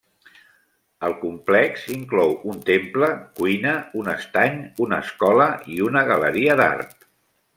El complex inclou un temple, cuina, un estany, una escola, i una galeria d'art.